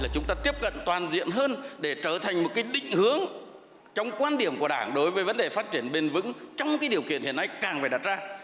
chúng ta tiếp cận toàn diện hơn để trở thành một định hướng trong quan điểm của đảng đối với vấn đề phát triển bền vững trong điều kiện hiện nay càng phải đặt ra